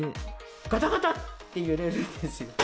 がたがたって揺れるんですよ。